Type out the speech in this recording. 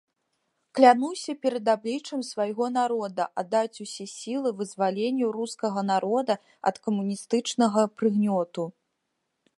Клянуся перад абліччам свайго народа аддаць усе сілы вызваленню рускага народа ад камуністычнага прыгнёту.